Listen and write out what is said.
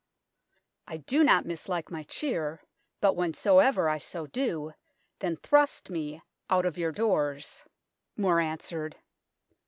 " I do not mislike my cheer, but whensoever I so do, then thrust me out of your doors," More answered.